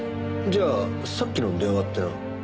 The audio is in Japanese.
じゃあさっきの電話ってのは。